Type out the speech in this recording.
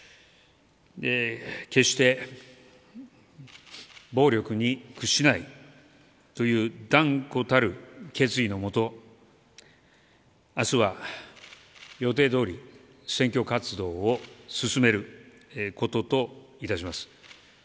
決して暴力に屈しないという断固たる決意のもと明日は予定どおり選挙活動を進めることといたします。